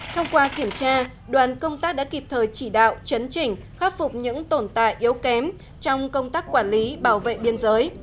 thông qua kiểm tra đoàn công tác đã kịp thời chỉ đạo chấn chỉnh khắc phục những tồn tại yếu kém trong công tác quản lý bảo vệ biên giới